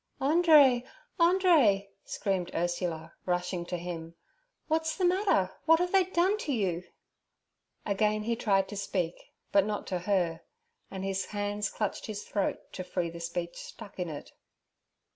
'Andree, Andree!' screamed Ursula, rushing to him. 'What's the matter? What have they done to you?' Again he tried to speak, but not to her, and his hands clutched his throat to free the speech stuck in it.